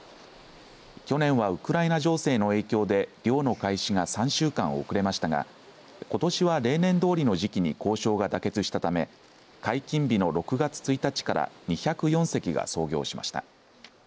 去年はウクライナ情勢の影響で漁の開始が３週間遅れましたがことしは例年どおりの時期に交渉が妥結したため解禁日の６月１日から２０４隻が操業しました。